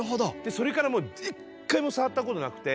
それからもう一回も触ったことなくて。